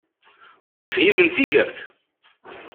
Ur fhimen tigert!